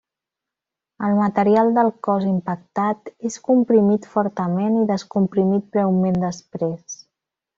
El material del cos impactat és comprimit fortament i descomprimit breument després.